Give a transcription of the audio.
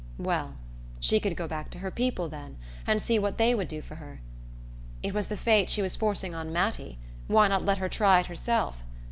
Well, she could go back to her people, then, and see what they would do for her. It was the fate she was forcing on Mattie why not let her try it herself?